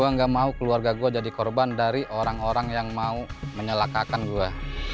saya tidak mau keluarga saya jadi korban dari orang orang yang mau menyalakakan saya